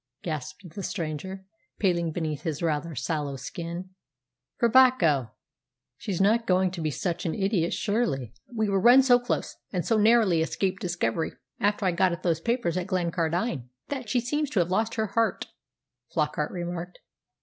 gasped the stranger, paling beneath his rather sallow skin. "Per Bacco! she's not going to be such an idiot, surely?" "We were run so close, and so narrowly escaped discovery after I got at those papers at Glencardine, that she seems to have lost heart," Flockart remarked.